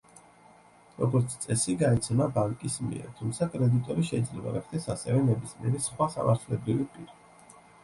როგორც წესი გაიცემა ბანკის მიერ, თუმცა კრედიტორი შეიძლება გახდეს ასევე ნებისმიერი სხვა სამართლებრივი პირი.